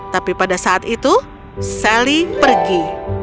tapi pada saat itu sally pergi